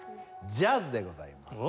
ジャズでございます。